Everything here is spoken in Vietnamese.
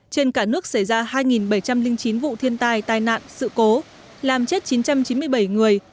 trên cả nước xảy ra hai bảy trăm linh chín vụ thiên tai tai nạn sự cố làm chết chín trăm chín mươi bảy người